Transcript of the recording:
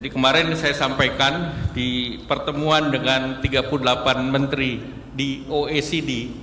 kemarin saya sampaikan di pertemuan dengan tiga puluh delapan menteri di oecd